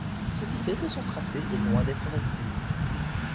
Ceci fait que son tracé est loin d'être rectiligne.